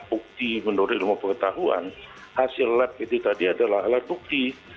bukti menurut ilmu pengetahuan hasil lab itu tadi adalah alat bukti